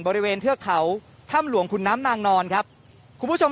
เทือกเขาถ้ำหลวงขุนน้ำนางนอนครับคุณผู้ชม